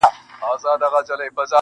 د خان د کوره خو پخه نۀ راځي ,